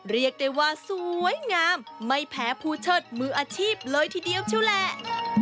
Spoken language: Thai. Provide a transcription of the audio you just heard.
เรียกได้ว่าสวยงามไม่แพ้ผู้เชิดมืออาชีพเลยทีเดียวเชียวแหละ